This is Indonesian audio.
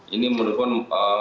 ini menurutku masa